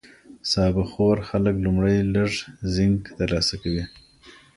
سابه خور خلک لومړی لږ زینک ترلاسه کوي.